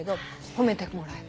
褒めてもらえた。